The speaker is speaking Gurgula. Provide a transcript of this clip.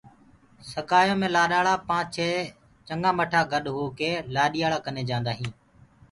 سگآيو مي لآڏآݪآ پآنچ چهي چگآ مٺآ گڏ هوڪي لآڏيآلآ ڪني جاندآ هينٚ